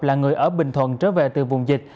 là người ở bình thuận trở về từ vùng dịch